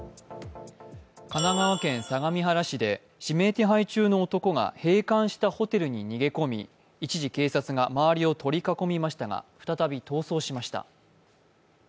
神奈川県相模原市で指名手配中の男が閉館したホテルに逃げ込み、一時、警察が周りを取り囲みましたが再び逃走しました。